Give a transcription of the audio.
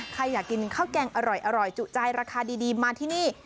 ใครอยากกินข้าวแกงอร่อยจุใจราคาดีมาที่นี่